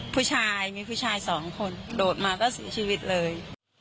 ผู้ชายมีผู้ชายสองคนโดดมาก็เสียชีวิตเลย